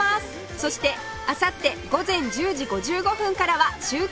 そしてあさって午前１０時５５分からは『週刊！